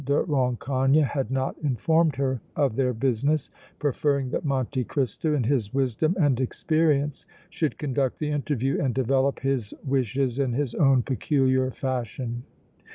de Rancogne had not informed her of their business, preferring that Monte Cristo in his wisdom and experience should conduct the interview and develop his wishes in his own peculiar fashion.